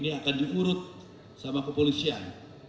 ini akan diurut sama kepolisian